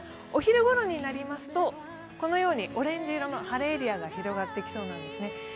お昼ごろになりますとこのようにオレンジ色の晴れエリアが広がってきそうなんですね。